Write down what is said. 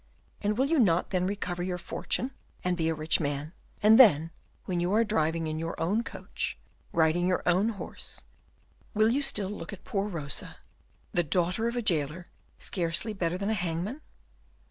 And will you not then recover your fortune, and be a rich man, and then, when you are driving in your own coach, riding your own horse, will you still look at poor Rosa, the daughter of a jailer, scarcely better than a hangman?"